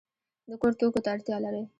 د کور توکو ته اړتیا لرئ؟